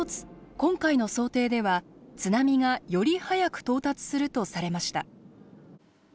今回の想定では津波がより早く到達するとされました。